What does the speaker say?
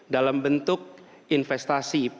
dalam bentuk investasi yang masuk